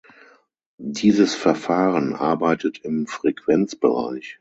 Dieses Verfahren arbeitet im Frequenzbereich.